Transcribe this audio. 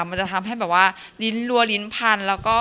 มันจะทำให้หลัวลิ้นพันค์